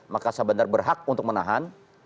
maka sahabat bandar berhak untuk menahan kapal